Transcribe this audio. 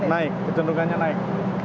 ya naik kecenderungannya naik